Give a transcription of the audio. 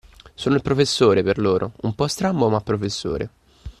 Sono il professore, per loro: un po' strambo, ma professore!